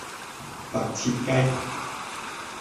白切雞